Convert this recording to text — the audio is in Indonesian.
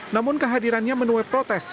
namun kehadirannya menuai protes